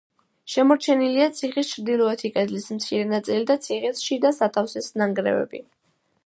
შემორჩენილია ციხის ჩრდილოეთი კედლის მცირე ნაწილი და ციხის შიდა სათავსის ნანგრევები.